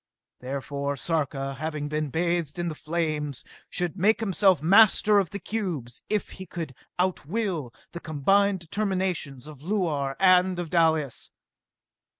Therefore, Sarka, having been bathed in the flames, should make himself master of the cubes, if he could out will the combined determinations of Luar and of Dalis!